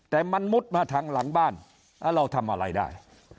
แต่มันมุดมาทางหลังบ้านแล้วเราทำอะไรได้